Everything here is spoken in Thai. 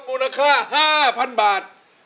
มูลค่า๕๐๐๐บาท